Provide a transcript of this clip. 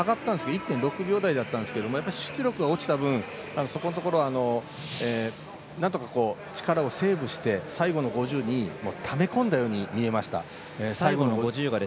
１．６秒台だったんですけど出力が落ちた分そこのところなんとか力をセーブして最後の５０にため込んだように見えました。